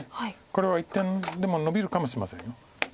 これは一転でもノビるかもしれません。